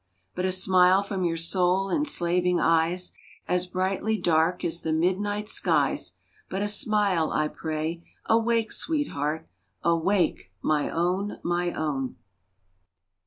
But a smile from your soul enslaving eyes,— As brightly dark as the midnight skies,— But a smile, I pray! Awake! sweetheart, Awake! my own, my own!